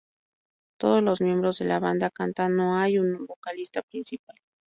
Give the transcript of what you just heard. Todos los miembros de la banda cantan, no hay un vocalista principal.